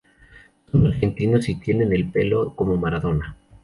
Son argentinos, y tienen el pelo como Maradona.